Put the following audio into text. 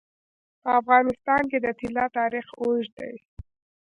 په افغانستان کې د طلا تاریخ اوږد دی.